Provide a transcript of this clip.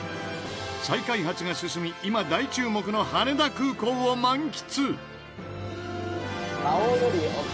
再開発が進み今大注目の羽田空港を満喫。